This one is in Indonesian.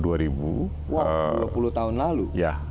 dua puluh tahun lalu